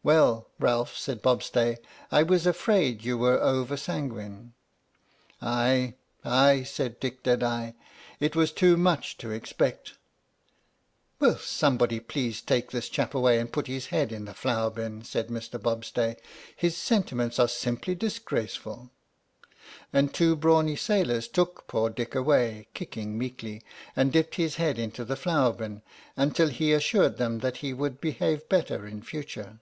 " Well, Ralph," said Bobstay, " I was afraid you were over sanguine." "Aye, aye," said Dick Deadeye, " it was too much to expect." "Will somebody, please, take this chap away and put his head in the flour bin," said Mr. Bobstay. " His sentiments are simply disgraceful." And two brawny sailors took poor Dick away (kicking meekly) and dipped his head into the flour bin until he assured them that he would behave better in future.